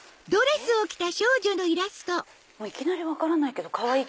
いきなり分からないけどかわいい。